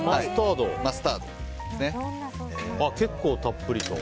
結構たっぷりと。